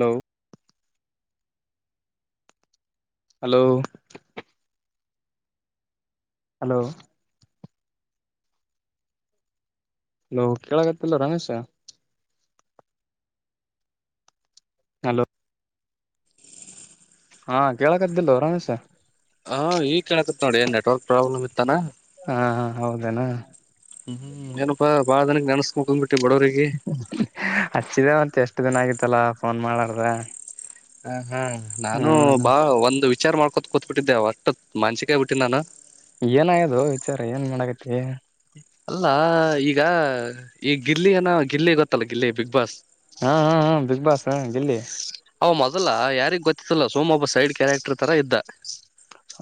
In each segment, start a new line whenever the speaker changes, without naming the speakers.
Hello. Hello. Hello. Hello ಕೇಳಕತ್ತಲ್ಲ Ramesh. Hello. ಹಾ ಕೇಳಾಕತ್ತಿಲ್ಲೊ ರಮೇಶ.
ಹಾ ಈಗ್ ಕೇಳಾಕತ್ ನೋಡಿ ನೆಟ್ವರ್ಕ್ ಪ್ರಾಬ್ಲಮ್ ಇತ್ತನ.
ಹ ಹ ಹೌದೇನ.
ಹು ಏನಪ್ಪ ಬಾಳದಿನಕ್ಕ ನೆನಸ್ಕೊಂಡು ಬಿಟ್ಟು
ಹಚ್ಚಿದ ಮತ್ ಎಷ್ಟು ದಿನ ಆಗಿತ್ತಲ್ಲ ಫೋನ್ ಮಾಡ್ಲಾರ್ದ.
ಹ ಹಾ ನಾನು ಬಾ ಒಂದ್ ವಿಚಾರ ಮಾಡ್ಕೋತ ಕೂತ್ಬಿಟ್ಟಿದ್ದೆ ಅಷ್ಟು ಮಾನ್ಸಿಕ ಆಗ್ಬಿಟ್ಟಿನಿ ನಾನು
ಏನ್ ಅಗ್ಯಾದೋ ವಿಚಾರ ಏನ್ ಮಾಡಕತಿ.
ಅಲ್ಲ ಈಗ ಈ ಗಿಲ್ಲಿ ನ ಗಿಲ್ಲಿ ಗೊತ್ತಲ್ಲ ಗಿಲ್ಲಿ ಬಿಗ್ ಬಾಸ್,
ಹಾ ಹಾ ಹಾ ಬಿಗ್ ಬಾಸ್ ಹ ಗಿಲ್ಲಿ
ಅವ ಮೊದಲ ಯಾರಿಗ್ ಗೊತ್ತಿತ್ದಿಲ್ಲ ಸುಮ್ಮ್ ಒಬ್ಬ ಸೈಡ್ ಕ್ಯಾರೆಕ್ಟರ್ ತರ ಇದ್ದ.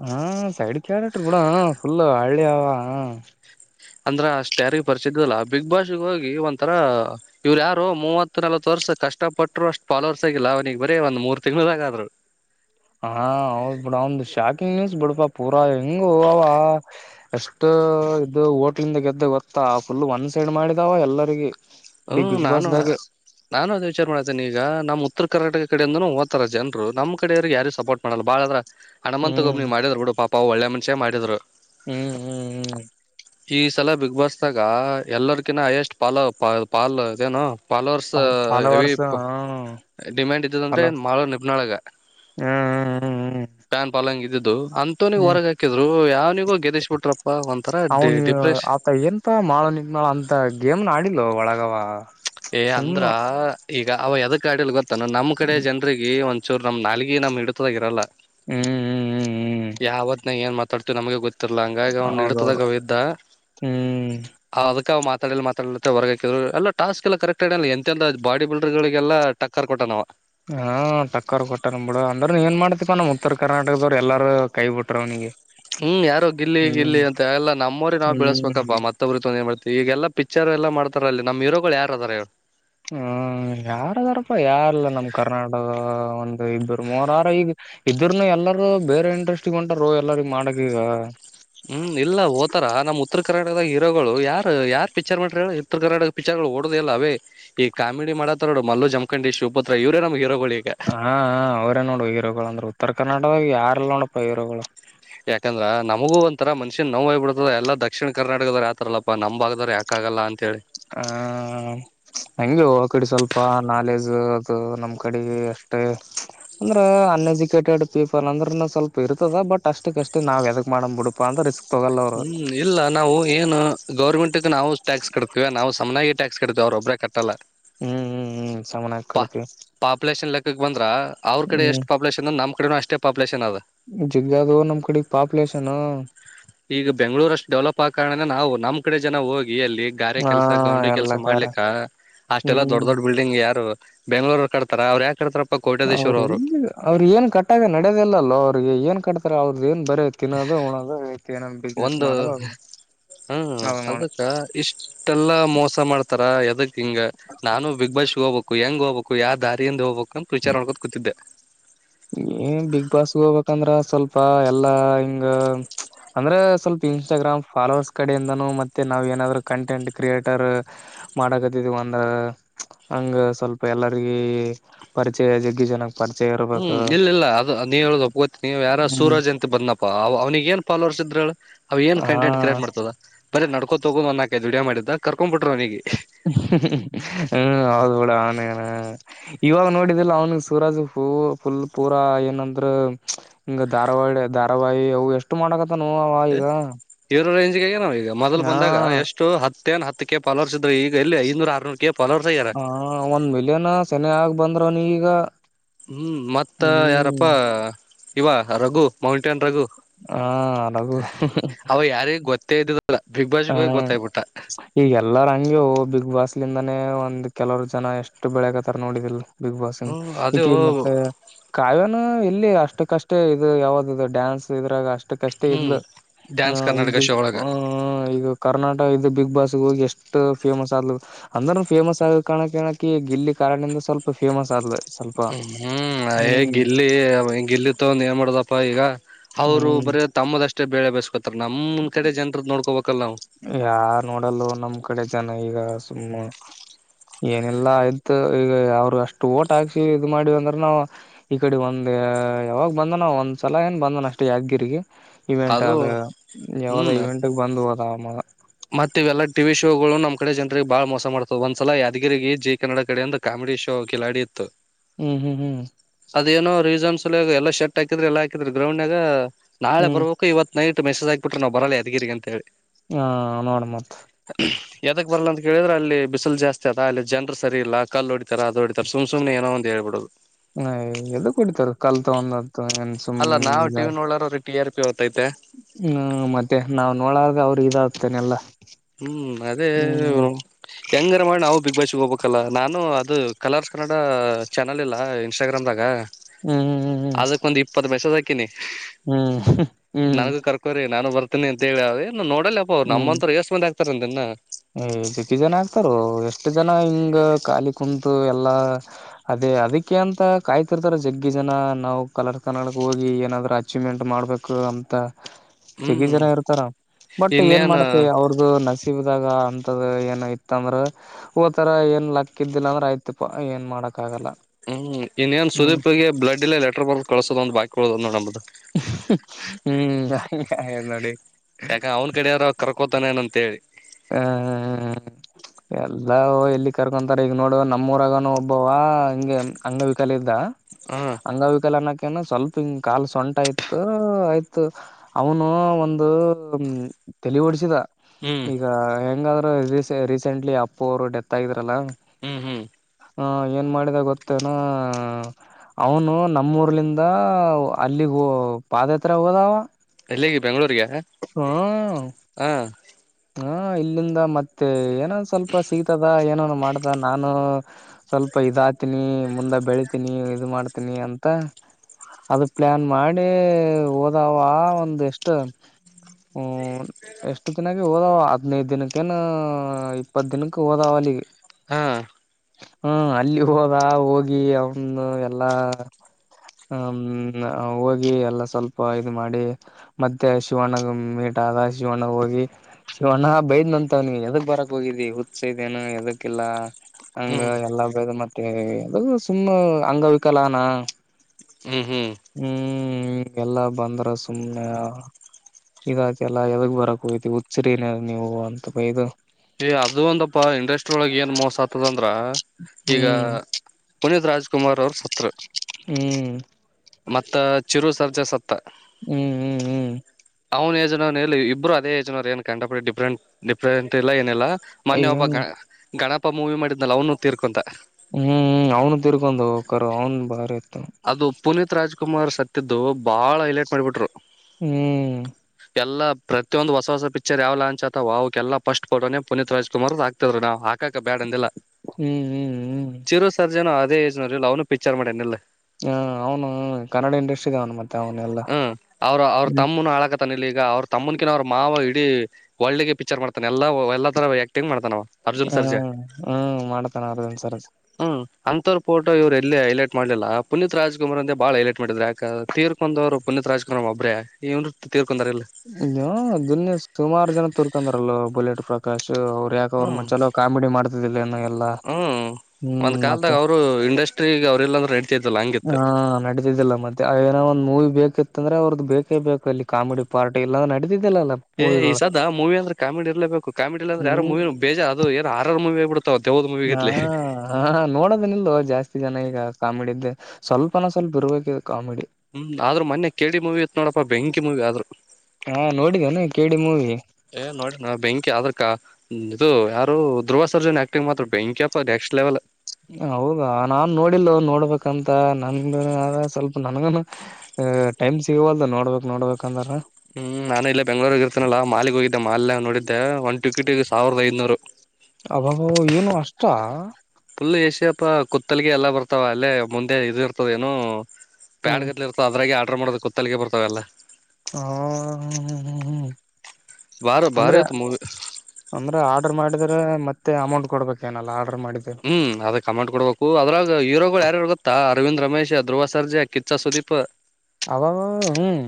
ಹಾ ಸೈಡ್ ಕ್ಯಾರೆಕ್ಟರ್ ಬಿಡ್ ಅವ್ವ ಫುಲ್ ಹಳ್ಳಿವ್ವ ಹ,
ಅಂದ್ರ ಅಷ್ಟ ಯಾರಿಗೆ ಪರಿಚಯ ಇದಿಲ್ಲ. ಬಿಗ್ ಬಾಷಗೆ ಹೋಗಿ ಒಂಥರಾ, ಇವ್ ಯಾರು ಮೂವತ್ ನಲ್ವತ್ ವರ್ಷ ಕಷ್ಟಪಟ್ಟರು ಅಷ್ಟ್ ಫಾಲ್ಲ್ವಾರ್ಸ್ ಆಗಿಲ್ಲ ಅವನಿಗೆ ಬರೀ ಒಂದ್ ಮೂರ್ ತಿಂಗ್ಳಾಗಾದ್ರರು.
ಹಾ ಹೌದ್ ಬಬಿಡ್ ಅವನ್ದು ಶಾಕಿಂಗ್ ನ್ಯೂಸ್ ಬಿಡ್ಪಾ ಪೂರಾ ಹೆಂಗೂ ಅವ, ಎಷ್ಟ ಇದು ವೋಟಲಿಂದ್ ಗೆದ್ದ ಗೊತ್ತಾ ಫುಲ್ ಒಂದ್ ಸೈಡ್ ಮಾಡಿದಾವ ಎಲ್ಲರಿಗಿ. ಬಿಗ್
ಹ್ಮ್ ನಾನು
ಬಾಸ್ದ್ಘಾ
ನಾನು ಅದ ವಿಚಾರ ಮಾಡ್ತೇನೀ ಈಗ ನಮ್ ಉತ್ತರ ಕರ್ನಾಟಕ ಕಡೆಯಿಂದೂ ಹೋತಾರ ಜನರು ನಮ್ಮ ಕಡವ್ರರಿಗೆ ಯಾರಿಗೆ ಸಪೋರ್ಟ್ ಮಾಡಲ್. ಬಾಳದ್ರ ಹಣಮಂತ
ಹ್ಮ್
ಒಬ್ಬನಿಗಿ ಮಾಡಿದ್ರ ಬಿಡು ಪಾಪಾ ಒಳ್ಳೆ ಮನುಷ್ಯೇ ಮಾಡಿದ್ರು,
ಹ್ಮ್, ಹ್ಮ್
ಈ ಸಲ ಬಿಗ್ ಬಾಸ್ದಗ ಎಲ್ಲರ್ಕಿನ ಎಷ್ಟ್ ಪಾಲು ಪ ಪಾಲು ಅದೇನು. ಫಾಲೋವರ್ಸ್ ಹೆವಿ
ಫಾಲೋವರ್ಸ್
ಡಿಮ್ಯಾಂಡ್ ಇದ್ದದ ಅಂದ್ರ ಮಾಳು ನಿಬ್ನಳಗ
ಹ್ಮ ಹಾ ಹ್ಮ್ ಹ,
ಪ್ಯಾನ್ ಪಾಲೋವಿಂಗ್ ಇದಿದ್ದು ಅಂತವ್ನಿಗೆ ಹೊರಗ ಹಾಕಿದ್ರು ಯಾವಿಗೋ ಗೆದೇಶ್ ಬಿಟ್ರಪ್ಪಾ. ಒಥರ,
ಅವನ್ ಆತ ಎಂತ ಮಾಳು ನಿಬ್ನಾಳ ಅಂತ ಗೇಮ್ನ ಆಡಿಲ್ ಒಳಗ್ ಅವ.
ಏ ಅಂದ್ರ ಈಗ ಅವ ಎದಕ್ ಆಡಿಲ್ಲಾ ಗೊತ್ತಾನೋ ನಮ್ ಕಡೆ
ಹ್ಮ್
ಜನ ರಿಗಿ ಒಂದ್ಚೂರು ನಮ್ ನಾಲಿಗೆ ನಮ್ ಹಿಡತದಾಗ ಇರಲ್ಲ.
ಹ್ಮ್. ಹ್ಮ್
ಯಾವ ಹೊತ್ನಗ ಏನ್ ಮಾತಾಡ್ತಿವಿ ನಮಗೆ ಗೊತ್ತಿಲ್ ಹಂಗಾಗಿ ಅವ್ನು
ಹೌದೌದು
ಇಡ್ತದಾಗ ಅವ್ ಇದ್ದ.
ಹ್ಮ್
ಅದಕ್ಕ್ ಮಾತಡಲ್ ಮಾತಾಡಲ ಅಂತ ಹೊರ್ಗ್ ಹಾಕುದ್ರು. ಎಲ್ಲ ಟಾಸ್ಕ್ ಇಲ್ಲ ಕರೆಕ್ಟ್ ಅಲ್ಲ ಎಂತಂದ ಬಾಡಿ ಬಿಲ್ಡರ್ಗಳಿಗೆ ಎಲ್ಲ ಟಕ್ಕರ್ ಕೊಟ್ಟನ್ ಅವ.
ಹಾ ಟಕ್ಕರ್ ಕೊಟ್ಟ ನ ಬಿಡು ಅಂದ್ರ ಏನ್ ಮಾಡ್ತತಿಪ ನಮ್ ಉತ್ತರ ಕರ್ನಾಟಕದವ್ರು ಎಲ್ಲಾರ ಕೈ ಬಿಟ್ರ ಅವನಿಗೆ.
ಹ್ಮ್ ಯಾರೋ ಗಿಲ್ಲಿ
ಹ್ಮ್
ಗಿಲ್ಲಿ ಅಂತ ಎಲ್ಲ ನಮ್ಮವ್ರಗಿ ನಾವ್
ಹ್ಮ್
ಬೆಳೆಸ್ಬೇಕಪ್ಪಾ ಮತ್ತೆ, [unintelligible] ಇ ಗೆಲ್ಲ ಪಿಚರ್ ಎಲ್ಲ ಮಾಡತಾರ ಅಲ್ಲಿ ನಮ್ಮ ಹೀರೋಗಳು ಯಾರ್ ಅದರ ಹೇಳ್.
ಹ್ಮ್ ಯಾರದಾರಪ್ಪ ಯಾರಿಲ್ಲ ನಮ ಕರ್ನಾಟಕದ ಒಂದು ಇಬ್ಬರು ಮೂವರ್ ಆರ್ ಈಗ. ಇದ್ರನು ಎಲ್ಲಾರೂ ಬೇರೆ ಇಂಡ್ರೆಸ್ಟಗ್ ಹೊಂಟಾರ ಎಲ್ಲರ ಮಾಡಕ್ ಈಗ.
ಹ್ಮ್ ಇಲ್ಲ ಹೋತರ ನಮ್ ಉತ್ತರ ಕರ್ನಾಟಕದ ಹೀರೋಗಳು ಯಾರು ಯಾರ್ ಪಿಕ್ಚರ್ ಮಾಡ್ರ ಉತ್ತರ ಕರ್ನಾಟಕದ, ಪಿಕ್ಚರ್ ಗಳು ಓಡದಿಲ್ಲ ಅವೇ ಈ ಕಾಮಿಡಿ ಮಾಡತ್ತರ್ ನೋಡು ಮಲ್ಲು ಜಮಖಂಡಿ ಶಿವಪುತ್ರ ಇವ್ರೇ ನಮ್ ಹೀರೋಗಳ ಈಗ
ಹಾ ಹಾ ಅವ್ರೇ ನೋಡ. ಇರುಗಳಂದ್ರ ಉತ್ತರ ಕರ್ನಾಡದಾಗ ಯಾರ್ ಇಲ್ಲ ನೋಡಣಪ್ಪ ಇರೋ ಗಳು.
ಯಾಕಂದ್ರ ನಮಗೂ ಒಂಥರಾ ಮನಷನ್ ನೋವ್ ಹ್ಬ ಬಿಡ್ತದ ಎಲ್ಲ ದಕ್ಷಿಣ ಕರ್ನಾಟಕದಗ ಆತಾರಲ್ಲಪ್ಪ. ನಮ್ಮ್ ಭಾಗದೌರು ಯಾ ಕ ಆಗಲ್ಲ ಅಂತೇಳಿ.
ಹಾ, ಹಂಗೆ ಹೋ ಅಕಡಿ ಸ್ವಲ್ಪ ನಾಲೆಜ್ ಅದು ನಮ್ ಕಡಿಗಿ ಅಷ್ಟ. ಅಂದ್ರ ಅನ್ ಎಜುಕೇಟೆಡ್ ಪೀಪಲ್ ಅಂದ್ರನು ಸ್ವಲ್ಪ ಇರ್ತದ ಬಟ್ ಅಷ್ಟಕ್ಕಷ್ಟ ನಾವ್ ಎದಕ್ ಮಾಡ್ ಬಿಡಪಾ ಅಂದ್ರ. ರಿಸ್ಕ್ ತಗಲ್ಲ ಅವ್ರು
ಹ್ಮ್ ಇಲ್ಲ ನಾವು ಏನು ಗೌರ್ಮೆಂಟ್ಗ ನಾವು ಟ್ಯಾಕ್ಸ್ ಕಟ್ತೀವ ನಾವು ಸಮನಾಗಿ ಟ್ಯಾಕ್ಸ್ ಕಟ್ತೀವಿ ಅವ್ರೊಬ್ರೇ ಕಟ್ಟಲ್ಲ.
ಹ್ಮ್ ಹ್ಮ್ ಹ್ಮ್ ಸಮಾನಗಿ ಕಟ್ತಿವಿ.
ಪಾಪುಲೇಷನ್ಲೆಕ್ಕಕ್ಕೆ ಬಂದ್ರ ಅವ್ರ ಕಡೆ ಎಷ್ಟು ಪಾಪಲಷನ್ ಅ ನಮ್ಮ ಕಡೆೆಯನು ಅಷ್ಟೇ ಪಾಪುಲೇಷನ್ ಆದ.
ಜಿಗ್ಗಿ ಆದೋ ನಮ್ ಕಡಿ ಪಾಪ್ಯುಲೇಷನ್.
ಈಗ ಬೆಂಗ್ಗಳೂರ್ ಅಷ್ಟು ಡೆವಲಪ್ ಆ ಕಾರಣ ನಾವು ನಮ್ಮ್ ಕಡೆ ಜನ ಹೋಗಿ ಅಲ್ಲಿ ಗಾರೆ
ಹಾ
ಕೆಲ್ಸ ಗೌಂಡಿ ಕೆಲ್ಸ
ಎಲ್ಲಕಾರ
ಮಾಡ್ಲಿಕ್ಕ ಅಷ್ಟೆಲ್ಲಾ ದೊಡ್ಡ
ಹ್ಮ್
ದೊಡ್ ಬಿಲ್ಡಿಂಗ್ ಯಾರು. ಬೆಂಗ್ಳೊರು ಕಡತಾರ ಅವ್ ಯಕ ಕಡತಾರ.
ಹೌದೇನ್ ನಿನಗ. ಅವ್ರರು ಏನ್ ಕಟ್ಟಾಗ ನಡೆದಿಲ್ಲ ಲೋ ಅವ್ರಿಗೆ ಏನ್ ಕಟ್ತಾರೆ ಅವ್ರದು ಏನ್ ಬರೇ ತಿನ್ನೋದು ಉನ್ನದು
ಒಂದು ಹ್ಮ
ಅದ ಮಾಡ
ಅದಕ್ಕ ಇಷ್ಟ್. ಯಲ್ಲಾ ಮೋಸ ಮಾಡ್ತಾರ ಎದಕ್ ಹಿಂಗ ನಾನು ಬಿಗ್ ಬಾಸ್ ಗೆ ಹೋಗ್ಬೇಕು. ಹೆಂಗ್ ಹೋಗಬೇಕು ಯಾವ ದಾರಿಯಿಂದ ಹೋಗ್ ಬೇಕು ಅಂತ ವಿಚಾರ ಮಾಡ್ಕೋತ ಕುಂತಿದ್ದೆ.
ಏನ್ ಬಿಗ್ ಬಾಸ್ಗೆ ಹೋಗ್ಬೇಕಂದ್ರ ಸ್ವಲ್ಪ ಎಲ್ಲಾ ಹಿಂಗ. ಅಂದ್ರೆ ಸ್ವಲ್ಪ ಇನ್ಸ್ಟಾಗ್ರಾಮ್ ಫಾಲೋವರ್ಸ್ ಕಡೆಯಿಂದನೂ ಮತ್ತೆ ನಾವ್ ಏನಾದ್ರು ಕಂಟೆಂಟ್ ಕ್ರಿಯೇಟರ್. ಮಾಡಕತ್ತಿದವ ಅಂದ ಹಂಗ ಸ್ವಲ್ಪ ಎಲ್ಲರಿಗೀ. ಪರಿಚಯ ಜಗ್ಗಿ ಜನಕ್ ಪರಿಚಯ ಇರ
ಹ್ಮ್ ಇಲ್ಲ ಇಲ್ಲ ಅದು ನೀವ್ ಹೇಳುದ ಒಪ್ಕೋತೀನಿ ನೀವು ಯಾರ ಸೂರಾಜ್ ಅಂತ ಬಂದ್ನಪ್ಪಾ ಅವ್ನಿಗೆ ಏನ್ ಫಾಲೋವರ್ಸ್ ಇದ್ರೇಳು ಅವ ಏನ್
ಹಾ
ಕಂಟೆಂಟ್ ಕ್ರಿಯೇಟ್ ಮಾಡ್ತಿದ್ದ. ಬರೇ ನಡ್ಕೋ ಹೋಗೋದು ಒಂದ್ ನಾಲಕ್ ಐದು ವಿಡಿಯೋ ಮಾಡಿದ್ದ ಕರ್ಕೊಂಡ್ ಬಿಟ್ರು ಅವನಿಗೆ.
ಹೋ ಹೌದು ಬಿಡು ಅವನೇನ್ ಇವಾಗ ನೋಡಿದಿಲ್ಲ ಅವನು ಸೂರಾಜ್ ಫುಲ್ ಪೂರಾ ಏನಂದ್ರ. ಹಿಂಗ ಧಾರಾವಾಳಿ ಧಾರಾವಹಿ ಅವು ಎಷ್ಟು ಮಾಡಕತ್ತಾನೋ ಅವ ಈಗ.
ಇರ ರೇಂಜ್ಗ ಆಗನವ ಈಗ ಮೊದಲ್ ಬಂದಾಗ
ಹಾ
ಎಷ್ಟು ಹತ್ತ ಏನ್ ಹತ್ತಕ್ಕೆ ಕೆ ಪಲೋರ್ಸಿದ್ರ ಈ ಎ ಇಲ್ಲಿ ಐನೂರು ಆರ್ನೂರು ಕೆ ಪಫಲರ್ಸ ಅಗ್ಯಾರ.
ಹ ಒಂದ್ ಮಿಲಿಯನ್ ಸೆನ ಆಗ ಬಂದ್ರ ಅವ್ನಗೀಗ.
ಹ್ಮ್ ಮತ್ತ ಯಾರಪ್ಪಾ ಇವ ರಘು ಮೌಂಟೇನ್ ರಘು.
ಹಾ ರಘು.
ಅವ ಯಾರೀಗು ಗೊತ್ತೇ ಇದ್ದುದಿಲ್ಲ ಬಿಗ್
ಹ
ಬಾಸ್ಗ ಹೋಗಿ ಗೊತ್ತಾಗ್ಬಿಟ್ಟ.
ಈಗ ಎಲ್ಲರ ಹಂಗೆ ಓ ಬಿಗ್ ಬಾಸ್ಲಿಂದಾನೇ ಒಂದ್ ಕೆಲವರ್ ಜನ ಎಷ್ಟು ಬೆಳ್ಯಕತ್ತಾರ ನೋಡಿದಿಲ್. ಬಿಗ್ ಬಾಸ್
ಹ್ಮ್ ಅದು
ಈಕೀ ಮತ್ತೆ. ಕಾವ್ಯನು ಇಲ್ಲಿ ಅಷ್ಟಕ್ಕಷ್ಟೇ ಇದು ಯಾವ್ದ ಇದು ಡ್ಯಾನ್ಸ್ ಇದ್ರಾಗ ಅಷ್ಟೆ. ಅಷ್ಟ ಕಷ್ಟ
ಹ್ಮ್
ಇದ್ಲು
ಡ್ಯಾನ್ಸ್
ಈ
ಕರ್ನಾಟಕ
ಬಿಗ್
ಶೋ ಒಳಗ
ಬಾ ಈಗ ಕರ್ನಾಟಕ ಇ ಬಿಗ್ ಬಾಸ್ಗ ಹೋಗಿ ಎಷ್ಟು ಫೇಮಸ್ ಆದ್ಳು. ಅಂದ್ರನು ಫೇಮಸ್ ಆಗ್ ಕಣಕ್ ಗಿಲ್ಲಿ ಕಾರಣಕ್ಕಿ ಸ್ವಲ್ಪ ಫೇಮಸ್ ಆದ್ಲು. ಸ್ವಲ್ಪ
ಹ ಹ್ಮ್ ಅದೇ
ಹ್ಮ್
ಗಿಲ್ಲಿ ಗಿಲ್ಲಿ ತಗೊಂಡ ಏನ್ ಮಾಡೋದಪ್ಪ ಈಗ. ಅವ್ರು
ಹ್ಮ್
ಬರೇ ತಮ್ಮದಷ್ಟೇ ಬಳೆ ಬೇಯ್ಸ್ಕೋತಾರ ನಮುಂ ಕಡೆ ಜನ್ರದ ನೋಡ್ಕೋಬೇಕಲ್ಲ ನವು.
ಯಾರ್ ನೋಡಲ್ಲೋ ನಮ್ ಕಡೆ ಜನ ಈಗ ಸುಮ್ಮ. ಏನಿಲ್ಲ ಆಯ್ತ್ ಈಗ ಅವರು ಅಷ್ಟು ಓಟ ಹಾಕ್ಸಿ ಇದ್ ಮಾಡಿವ ಅಂದ್ರುನು. ಈ ಕಡೆ ಒಂದ್ ಯಾವಾಗ ಬಂದಾನೊ ಒಂದ್ ಸಲ ಏನ್ ಬಂದನ ಅಷ್ಟೇ ಯಾದಗಿರಿಗೆ. ಇವೆಂಟ್
ಅದು
ಅದ ಯಾವದ ಇವೆಂಟಿಗ್ ಬಂದ್ ಹೋದ.
ಮತ್ತೆ ಇವೆಲ್ಲ ಟಿ ವಿ ಶೋ ಗಳು ನಮ್ ಕಡೆ ಜನರಿಗೆ ಬಾಳ ಮೋಸ ಮಾಡ್ತಾವ ಒಂದ್ಸಲ ಯಾದಗಿರಿಗೆ ಜಿ ಕನ್ನಡ ಕಡೆಯಿಂದ. ಕಾಮಿಡಿ ಶೋ ಕಿಲಾಡಿ ಇತ್ತು.
ಹ್ಮ್ ಹ್ಮ್ ಹ್ಮ್
ಅದೇನೋ ರೀಸನ್ಸ್ ಸಲುವಾಗಿ ಎಲ್ಲ ಶೆಟ್ ಹಾಕಿದ್ರೆ ಎಲ್ಲಾ ಹಾಕಿದ್ರರು ಗ್ರೌಂಡ್ನಾಗ ನಾಳೆ
ಹ್ಮ್
ಬರ್ಬೇಕು ಇವತ್ತು. ನೈಟ್ ಮೆಸಜ್ ಹಾಕ್ಬಿಟ್ರು ನವು ಬರಲ್ಲ ಯಾದಗಿರಿಗಂತ ಹೇಳಿ.
ಹಾ ನೋಡು ಮತ್.
ಎದಕ್ ಬರ್ಲ್ಲ ಅಂತ ಕೇಳಿದ್ರೆ ಅಲ್ಲಿ ಬಿಸಿಲು ಜಾಸ್ತಿ ಅದ ಅಲ್ಲಿ ಜನ್ರು ಸರಿ ಇಲ್ಲ ಕಲ್ಲು ಹೊಡಿ ತರ ಅದೋಡಿ ಸುಮ್ ಸುಮ್ನೇ ಏನೋ ಒಂದು ಹೇಳಿ ಬಿಡೋದು
ಹ ಎದು ಕುಡಿತಾರ ಕಲ್ತ ಒಂದ್ದ ಏನ್ ಸುಮ್
ಅಲ್ಲ ನಾವ್
ಈಗ
ಟಿ ನೋಡೋರ್ರ ಟಿ ಆರ್ ಪಿ ಹೊತೈತೆ
ಹ್ಮ್ ಮತ್ತೆ ನಾವ್ ನೋಡಾರ ಅವ್ರಿಗೆ ಇದಾಗ್ತೇನೆ ಎಲ್ಲ
ಹ್ಮ್ ಅದೇ ಹೆಂಗರ ಮಾಡಿ ನಾವು ಬಿಗ್ ಬಾಸ್ಸಿಗೆ ಹೋಗ್ಬೇಕಲ್ಲ ನಾನು ಅದು ಕಲರ್ಸ್ ಕನ್ನಡ ಚಾನಲ್ ಇಲ್ಲಾ ಇನ್ಸ್ಟಾಗ್ರಾಮ್ದಾಗ
ಹ್ಮ್ ಹ್ಮ್ ಹ್ಮ್
ಅದಕ್ ಒಂದ್ ಇಪ್ಪತ್ ಮೆಸೇಜ್ ಹಾಕಿನಿ.
ಹ್ಮ್ ಹ್ಮ್
ರಿ ನಾನು ಬರ್ತನಿಂತ ಹೇಳ ಅವ ಇ ನೋಡಲ್ಲ ಅಪ್ಪ ಅವ್
ಹ್ಮ್ ಹ್ಮ್
ನಮ್ಮಂತರು ಎಷ್ಟುಂದ ಆಗ್ತಾರ ಅಂತನ್ನ
ಏ ಜತಿ ಜನ ಆಗ್ತಾರ ಎಷ್ಟ ಜನ ಹಿಂಗ ಖಾಲಿ ಕುಂತು ಎಲ್ಲಾ ಅದೇ ಅದಕ್ಕೆ ಅಂತ ಕಾಯ್ತಿರ್ತಾರ ಜಗ್ಗಿ ಜನ ನಾವು ಕಲರ್ ಕನ್ನಡಕ್ ಹೋಗಿ ಏನಾದ್ರ ಅಚೀವ್ಮೆಂಟ್ ಮಾಡ್ಬೇಕು ಅಂತ ಚೆಗ್ಗಿ
ಹ್ಮ್
ಜನ ಇರ್ತಾರ ಬಟ್ ಏನ್
ಇನ್ನೇನ್
ಮಾಡತ್ತ ಅವ್ರ ಇದು ನಸೀಬದಾಗ ಅಂತದ ಏನ ಇತ್ತಂದ್ರ ಹೋತರ ಏನ್ ಕ್ಕ ಇದಿಲ್ಲ ಅಂದ್ರ ಆಯ್ತಿಪ್ಪಾ ಏನ್ ಮಾಡಕ್ ಆಗಲ್ಲ
ಹ್ಮ್ ಇನ್ನೇನ್ ಸುದೀಪ್ಗೆ ಬ್ಲಡ್ ಅಲ್ಲಿ ಲೆಟರ್ ಬರೆದು ಕಳಸದ ಒಂದು ಬಾಕಿ ಉಳಿದಿದೆ ನೋಡು ನಮ್ದು
ಹ್ಮ್ ಹಂಗೆ ಹ್ಯಾಗೋದು ನೋಡಿ
ಕಡಾರ ಕರ್ಕೋತಾನೇ ಏನ ಅಂತ ಹೇಳಿ
ಹಾ ಹಾ ಹಾ ಹ
[unintelligible]
ಎಲ್ಲ ಎಲ್ಲಿ ಕರ್ಕೊಂತಾರ ಈಗ ನೋಡ ನಮ್ಮೂರಗನ ಒಬ್ಬವ ಹಂಗೆ ಅಂಗವಿಕಲ್ ಇದ್ದ
ಹಾ
ಹಂಗವಿಕಲ್ ಅನ್ನಕನ ಸ್ವಲ್ಪ ಹಿಂಗ ಕಾಲು ಸೊಂಟಯ್ತು ಆಯ್ತು ಅವನು ಒಂದು ತಲೆ ಓಡಿಸಿದ
ಹ್ಮ್
ಈಗ ಹೆಂಗಾದ್ರರು ರ ರೀಸೆಂಟ್ಲಿ ಅಪ್ಪು ಅವರು ಡೆತ್ ಆಗಿದ್ರಲ್ಲ
ಹ್ಮ್ ಹ್ಮ್
ಹ ಏನ್ ಮಾಡಿದ ಗೊತ್ತೇನು ಅವನು ನಮ್ಮೂ ಊರ್ಲಿಂದ ಅಲ್ಲಿಗ ಪಾದಯತ್ರ ಹೋದಾವ
ಎಲ್ಲಿಗ ಬೆಂಗಗಳೂರಿಗೆ ಹಾ
ಹ್ಮ ಇಲ್ಲಿಂದ ಮತ್ತೆ ಏನ ಸ್ವಲ್ಪ ಸಿಗ್ತದ ಏನೇನೋ ಮಾಡಿದ ನಾನು ಸ್ವಲ್ಪ ಇದಾತನಿ ಮುಂದೆ ಬೆಳಿತೀನಿ ಇ ಮಾಡ್ತೀನಿ ಅಂತ ಅದು ಪ್ಲಾನ್ ಮಾಡಿ ಹೋದಾವ ಒಂದ ಎಷ್ಟು ಹ್ಮ ಎಷ್ಟು ದಿನಕ್ಕೆ ಹೋದ ಹದಿನೈದು ದಿನಕ್ಕ ಏನಾ ಇಪ್ಪತ್ತು ದಿನಕ್ಕೆ ಹೋದಾವ ಅಲ್ಲಿಗೆ
ಹಾ
ಹ್ಮ ಅಲ್ಲಿ ಹೋದ ಹೋಗಿ ಅವನು ಎಲ್ಲಾ ಹ್ಮ ಹೋಗಿ ಎಲ್ಲ ಸ್ವಲ್ಪ ಇ ಮಾಡಿ ಮಧ್ಯೆ ಶಿವಣ್ಣಗ ಮೀಟ್ ಆದ ಶಿವಣ್ಣಗ ಹೋಗಿ ಶಿವ ಅಣ್ಣ ಬೈದ್ನಂತ ಅವ್ನಿಗೆ ಎದಕ್ ಬರಕ್ ಹೋಗಿದಿ ಹುಚ್ಚಿ ಇದೇನು ಎದಕ್ಕಿಲ್ಲಾ ಹಂಗ
ಹ್ಮ್
ಎಲ್ಲಾ ಬದ ಮತ್ತೆ ಅ ಸುಮ್ಮ್ ಅಂಗವಿಕಲ್ಲಾನ
ಹ್ಮ್ ಹ್ಮ್
ಹ್ಮ್ ಎಲ್ಲ ಬಂದ್ರ ಸುಮ್ನೆ ಇದಾಕ ಎಲ್ಲ ಎದಗ್ ಬರಕ್ ಹೋಗ್ತಿ ಹುಚ್ಚರಿ ನ ನೀವು ಅಂತ ಬೈದು
ಅದದು ಒಂದಪ್ಪ ಇಂಡಸ್ಟ್ರಿ ಒಳಗೆ ಏನ್ ಮೋಸ ಆತದ ಅಂದ್ರ ಈಗ
ಹ್ಮ್
ಪುನೀತ್ ರಾಜ್ಕುಮಾರ್ ಅವ್ರ ಸತ್ರ
ಹ್ಮ್
ಮತ್ತ ಚಿರು ಸರ್ಜಾ ಸತ್ತ
ಹ್ಮ್ ಹ್ಮ್
ಅವ್ನ ಏಜ್ ನವನ್ ಇಬ್ರು ಅದೇ ಏಜ್ ನವರು ಏನ್ ಕಂಡಪ ಡಿಫ್ರೆಂಟ್ ಡಿಫ್ರೆಂಟ್ ಇಲ್ಲ ಏನಿಲ್ಲ ಮೊನ್ನೆ ಒಬ್ಬ
ಏನ್
ಗ ಗಣಪ ಮೂವಿ ಮಾಡಿದನಲ್ಲ ಅವನು ತೀರ್ಕೊಂಡ
ಹ್ಮ್ ಅವನು ತಿರ್ಕೊಂಡ ಕರ ಅವ್ನು ಭಾರಿ ಇತ
ಅದು ಪುನೀತ್ ರಾಜಕುಮಾರ್ ಸತ್ತದು ಬಾಳ ಹೈಲೈಟ್ ಮಾಡಿಬಿಟ್ರು
[unintelligible]
ಎಲ್ಲಾ ಪ್ರತಿಯೊಂದು ಹೊಸ ಹೊಸ ಪಿಕ್ಚರ್ ಯಾವ್ ಲಾಂಚ್ ಆತಾವ ಅವಕ ಎಲ್ಲ ಫಸ್ಟ್ ಪೊಟೋನೆ ಪುನಿತ್ ರಾಜಕುಮಾರ್ ಹಾಕ್ತಾದ್ ನಾವು ಹಾಕಾಕ ಬ್ಯಾಡ ಅಂದಿಲ್ಲ
ಹ್ಮ್ [unintelligible]
ಚಿರು ಸರ್ಜನ ಅದೇ ಎಜ ಇಲ್ಲ ಅವನು ಪಿಚಾರ್ ಮಾಡನ ಇಲ್ಲ
ಹ ಅವನು ಕನ್ನಡ ಇಂಡಸ್ಟ್ರಿ ಅವನು ಮತ್ತ
ಹ್ಮ ಅವ್ರ ಅವ್ರ ತಮ್ಮನು ಆಳಕ ಇಲ್ಲಿಗ ಅವ್ರ ತಮ್ಮನ್ ಕಿನ ಅವ್ರ ಮಾವ ಇಡೀ ವರ್ಡ್ ಗೆ ಪಿಕ್ಚರ್ ಮಾಡ್ತಾನೆ ಎಲ್ಲಾ ಎಲ್ಲಾ ತರ ಆಕ್ಟಿಂಗ್ ಮಾಡ್ತಾನ ಅವ
ಹ್ಮ್ ಹ್ಮ್ ಮಾಡ್ತಾನ ಅದೊನ್ಸರ್ಸಿ
ಹ್ಮ್ ಅಂಥರ್ ಫೋಟೋ ಇವ್ರು ಎಲ್ಲಿ ಹೈಲೈಟ್ ಮಾಡಲಿಲ್ಲ ಪುನಿತ್ ರಾಜಕುಮಾರ್ ಅಂದ ಬಾಳ ಹೈಲೈಟ್ ಮಾಡದ್ರು ಯಾಕ ತೀರ್ [unintelligible] ಪುನಿತ್ರಾಜಕುಮರ ಒಬ್ರೆ ಇನ್ರು ತೀರಕೊನಂಡರ ಇಲ್ಲ
[unintelligible] ದುನ್ಯ ಸುಮಾರು ಜನ ತಿರಕೊಂಡರಲೊ ಬುಲೆಟ್ ಪ್ರಕಾಶ್ ಅವರು ಯಾಕೆ ಅವ್ರ
ಹ್ಮ್
ಚಲೋ ಕಾಮಿಡಿ ಮಾಡ್ತಿದಿಲ್ಲ ಏನ ಎಲ್ಲ
ಹ್ಮ್ ಒಂದ್ ಕಾಲದಾಗ ಅವರು ಇಂಡಸ್ಟ್ರಿಗ್ ಅವ್ರ ಇಲ್ಲ ಅಂದ್ರೆ ನಡ್ತಿದಿಲ್ಲಾ ಹಂಗಿತ್ತು
ಇದ್ದಿದಿಲ ಮತ್ತೆ ಏನೋ ಒಂದ್ ಮೂವಿ ಬೇಕಿತ್ತಂದ್ರೆ ಅವ್ರದ್ದು ಬೇಕೇ ಬೇಕು ಅಲ್ಲಿ ಕಾಮಿಡಿ ಪಾರ್ಟಿ ಎಲ್ಲ ನಡೆದಿದ್ದಿಲ್ಲಲ್ಲ
ಏ ಈ ಸದ ಮೂವಿ ಅಂದ್ರೆ ಕಾಮಿಡಿ ಇರ್ಲೇಬೇಕೂ ಕಾಮಿಡಿ ಇಲ್ಲಂದ್ರ ಯಾರು
ಹ್ಮ್
ಮೂವಿ ಬೇಜ ಅದ ಹಾರರ್ ಮೂವಿ ಆಗ್ಬಟ್ಟು [inaudible]
ನಾ ಅ ಹ ನೋಡೋದ ನಿಲ್ ಜಾಸ್ತಿ ಜನ ಈಗ ಕಾಮಿಡಿ ಇದ್ದೆ ಸ್ವಲ್ಪನ ಸ್ವಲ್ಪ ಇರ್ಬೇಕಿದೆ ಕಾಮಿಡಿ
ಹ್ಮ್ ಆದ್ರರು ಮೊನ್ನೆ ಕೆಡಿ ಮೂವಿ ಇತ್ ನೋಡಪ್ಪಾ ಬೆಂಕಿ ಮೂವಿ ಆದ್ರು [unintelligible]
ಹಾ ನೋಡಿದೇನೆ ಕೇಡಿ ಮೂವಿ
ಏ ನೋಡ್ರಿ ನೊಡ್ರಿ ಬೆಂಕಿ ಆದ್ರಕ ಇದು ಯಾರ ದ್ರುವ ಸರ್ಜನ್ ಆಕ್ಟಿಂಗ್ ಮಾತ್ರಾ ಬೆಂಕಿ ಕಪ್ಪಾ ನೆಕ್ಸ್ಟ್ ಲೆವೆಲ್
ಹೌದಾ ನಾನ್ ನೋಡಿಲ್ ನೋಡ್ಬೇಕಂತ ನಂದ ಸ್ವಲ್ಪ ನನ್ಗನು ಆ ಟೈಮ್ ಸಿಗವಲ್ದ ನೋಡ್ಬೇಕ್ ನೋಡ್ಬೇಕಂದ್ರ
ಹ್ಮ್ ನಾನ ಇಲೆ ಬೆಂಗಗಳೂರಿಗೆ ಇರ್ತೇನಲ್ಲ ಮಾಲಿಗ್ ಹೋಗಿದ್ದೆ ಮಾಲ್ ನೋಡಿದ್ದೆ ಒಂದು ಟಿಕಿಟ್ಗೆ ಸಾವಿರದ ಐದನೂರು
ಅಬ್ಬಬ ಏನು ಅಷ್ಟ
ಫುಲ್ ಎ ಸಿ ಅಪ್ಪ ಕುತ್ತಲ್ಗೆ ಎಲ್ಲ ಬರ್ತಾವ ಅಲ್ಲೇ ಮುಂದೆ ಇದು ಇರ್ತದ ಏನು ಪ್ಯಾಡ್
ಹ್ಮ್
ಗದ ಇರ್ತಾವ ಅದ್ರಾಗ ಆರ್ಡರ್ ಮಾಡೋ ಕುತ್ತಳಿಗೆ ಬರ್ತಾವಲ್ಲ
ಹಾ ಹ್ಮ್ ಹ್ಮ್ ಹ್ಮ್
ಬಾರ ಬಾರಿ
ಅಂದ್ರೆ
ಇತ್ ಮೂವಿ
ಅಂದ್ರೆ ಆರ್ಡ್ರ್ ಮಾಡಿದ್ರೆ ಮತ್ತೆ ಅಮೌಂಟ್ ಕೊಡ್ಬೇಕ ಏನಲ್ಲ ಆರ್ಡರ್ ಮಾಡಿದೆ
ಹ್ಮ್ ಅದೇ ಅಮೌಂಟ್ ಕೊಡ್ಬೇಕು ಅದ್ರಾಗ ಹೀರೋಗಳು ಯಾರು ಗತ್ತಾ ಅರವಿಂದ್ ರಮೇಶ್ ಧ್ರುವ ಸರ್ಜ ಕಿಚ್ಚ ಸುದೀಪ್
ಅಬ್ಬ ಬಾ ಹ್ಮ್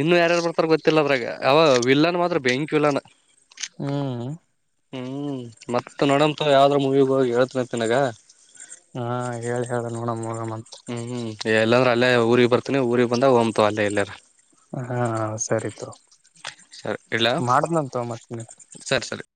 ಇನ್ನು ಯಾರ್ಯಾರು ಬರ್ತಾರ ಗೊತ್ತಿಲ್ಲ ಅದ್ರಗ ಅವ ವಿಲ್ಲನ್ ಮಾತ್ರ ಬೆಂಕ್ ವಿಲ್ಲನ್
ಹ್ಮ್
ಹ್ಮ್ ಮತ್ ನೋಡಂತ ಯಾವ್ದ್ರ ಮೂವಿಗ ಹೋಗಿ ಹೇಳ್ತನ ತಿನಗ
ಹಾ ಹೇಳಿ ಹೇಳ ನೋಡ ಮೂರಮ್ಮಂತ
ಹ್ಮ್ ಹ್ಮ್ ಎಲ್ಲಂದ್ರ ಅಲ್ಲೇ ಊರಿಗೆ ಬರ್ತನಿ ಊರಿಗೆ ಬಂದಾಗ ಹೊತವ ಅಲ್ಲೇ ಎಲ್ಲಾರ
ಹಾ ಸರಿ ತಗೋ
ಸರಿ ಇಡ್ಲ
ಮತ್ತ
ಸರಿ ಸರಿ